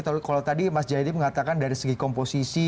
kalau tadi mas jayadi mengatakan dari segi komposisi